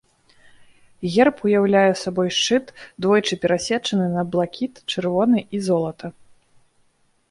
Герб уяўляе сабой шчыт, двойчы перасечаны на блакіт, чырвоны і золата.